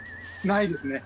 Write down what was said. ないですね。